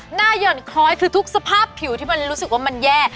หย่อนคล้อยคือทุกสภาพผิวที่มันรู้สึกว่ามันแย่